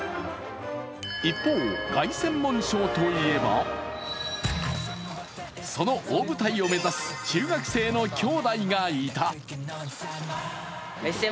一方、凱旋門賞といえばその大舞台を目指す中学生の兄弟がいた。